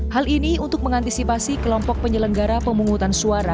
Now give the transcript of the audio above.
hal ini untuk mengantisipasi kelompok penyelenggara pemungutan suara